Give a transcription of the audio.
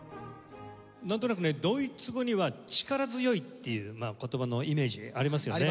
なんとなくねドイツ語には力強いっていう言葉のイメージありますよね。